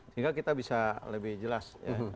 sehingga kita bisa lebih jelas ya